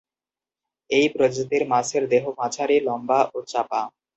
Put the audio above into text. এই প্রজাতির মাছের দেহ মাঝারি লম্বা ও চাপা।